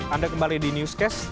anda kembali di newscast